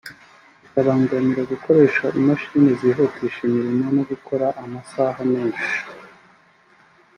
bikabangamira gukoresha imashini zihutisha imirimo no gukora amasaha menshi